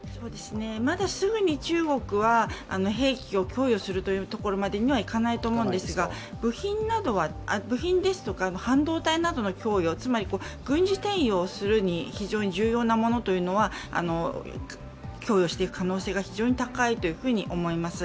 まだすぐに中国は兵器を供与するところにまではいかないと思うんですが部品ですとか半導体などの供与、つまり、軍事転用するのに非常に重要なものというのは供与していく可能性が非常に高いと思います。